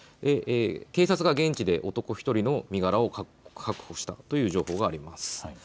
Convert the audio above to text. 警察が現地で男１人の身柄を確保したという情報があります。